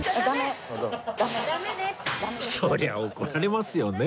そりゃ怒られますよね